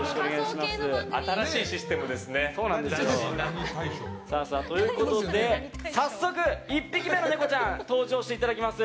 新しいシステムですね。ということで早速１匹目のネコちゃん登場していただきます。